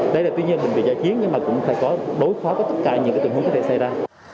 đây là tuy nhiên bệnh viện giải chiến nhưng mà cũng phải có đối phó với tất cả những tình huống có thể xảy ra